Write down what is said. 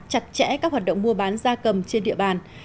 chặt chẽ các hoạt động mua bán da cầm trên địa bàn